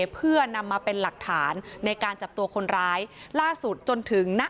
เพื่อนำมาเป็นหลักฐานในการจับตัวคนร้ายล่าสุดจนถึงณ